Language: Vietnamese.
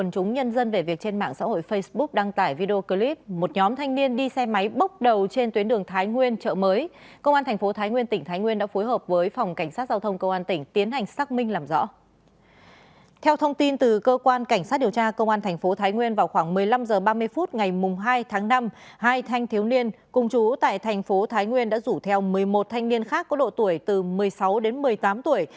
cũng tại thành phố thái nguyên đã rủ theo một mươi một thanh niên khác có độ tuổi từ một mươi sáu đến một mươi tám tuổi